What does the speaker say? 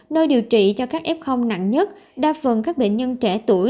nơi điều trị cho các f nặng nhất đa phần các bệnh nhân trẻ tuổi